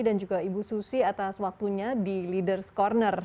dan juga ibu susi atas waktunya di leaders corner